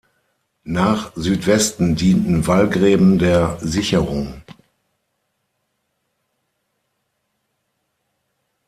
Nach Südwesten dienten Wallgräben der Sicherung.